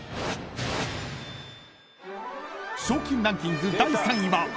［賞金ランキング第３位は］